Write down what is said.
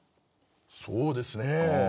そうですね。